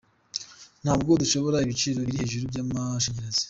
Ntabwo twashobora ibiciro biri hejuru by’amashanyarazi.